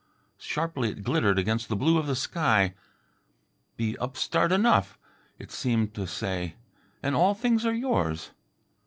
Sharply it glittered against the blue of the sky. "Be upstart enough," it seemed to say, "and all things are yours.